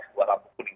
dua lampu kuning